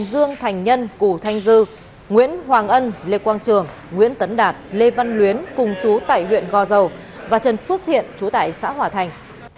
dương thành nhân củ thanh dư nguyễn hoàng ân lê quang trường nguyễn tấn đạt lê văn luyến cùng chú tại huyện gò dầu và trần phước thiện chú tại xã hòa thành